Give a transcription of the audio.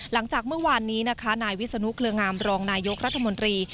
หลังจากเมื่อวานนี้นะคะนายวิศนุเครืองามรองนายกรัฐมนตรี